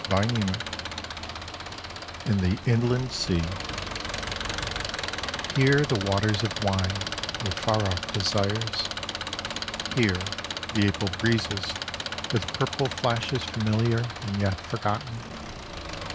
I02 IN THE INLAND SEA Here the waters of wine with far off desires. Here the April breezes with purple flashes familiar and yet forgotten.